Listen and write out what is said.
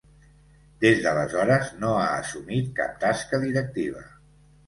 Des d'aleshores no ha assumit cap tasca directiva.